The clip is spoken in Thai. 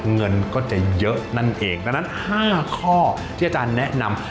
เงินก็จะเยอะนั่นเองดังนั้น๕ข้อที่อาจารย์แนะนำ